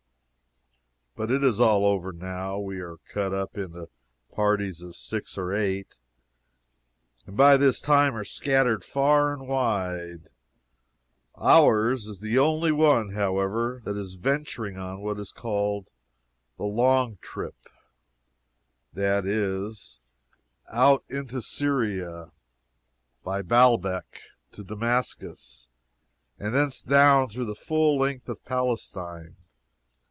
But it is all over now. We are cut up into parties of six or eight, and by this time are scattered far and wide. Ours is the only one, however, that is venturing on what is called "the long trip" that is, out into Syria, by Baalbec to Damascus, and thence down through the full length of Palestine.